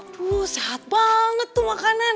tuh sehat banget tuh makanan